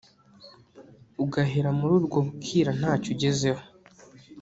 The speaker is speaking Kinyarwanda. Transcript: ugahera muri urwo bukira ntacyo ugezeho